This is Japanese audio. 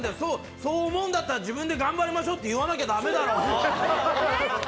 そう思うなら自分で頑張りましょうと言わなきゃだめだろ。